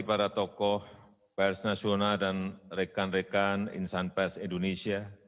para tokoh pers nasional dan rekan rekan insan pers indonesia